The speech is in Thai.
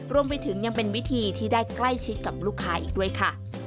รวมไปถึงยังเป็นวิธีที่ได้ใกล้ชิดกับลูกค้าอีกด้วยค่ะ